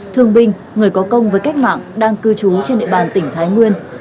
thương binh người có công với cách mạng đang cư trú trên địa bàn tỉnh thái nguyên